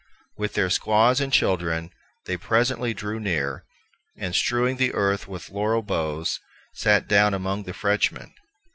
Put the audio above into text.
With their squaws and children, they presently drew near, and, strewing the earth with laurel boughs, sat down among the Frenchmen.